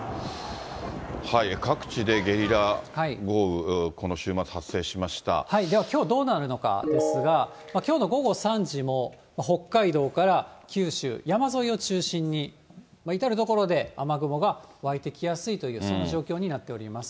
各地でゲリラ豪雨、ではきょうどうなるのかですが、きょうの午後３時も、北海道から九州、山沿いを中心に至る所で雨雲が湧いてきやすいという、そんな状況になっております。